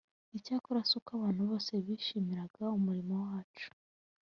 icyakora si ko abantu bose bishimiraga umurimo wacu